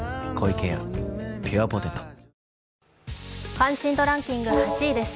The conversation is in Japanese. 関心度ランキング８位です。